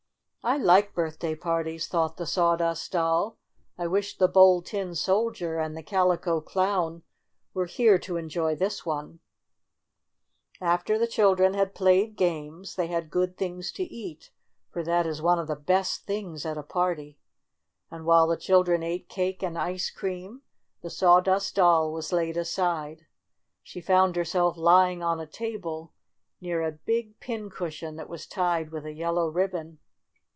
"I like birthday parties," thought the Sawdust Doll. "I wish the Bold Tin Sol dier and the Calico Clown were here to enjoy this one," After the children had played games they had good things to eat, for that is one of the best things at a party. And while the children ate cake and ice cream the Sawdust Doll was laid aside. She found herself lying on a table near a big pin cushion that was tied with a yellow ribbon.